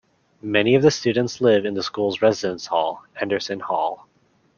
Many of the students live in the school's residence hall, Andersen Hall.